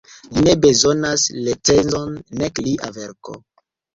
Li ne bezonas recenzon, nek lia verko.